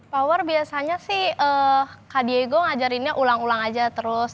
power biasanya sih kak diego ngajarinnya ulang ulang aja terus